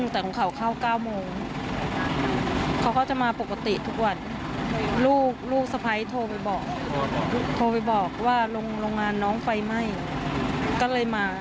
โทรไปบอกว่าโรงงานน้องไปไหมก็เลยมา